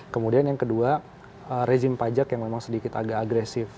kemudian yang kedua rezim pajak yang memang sedikit agak agresif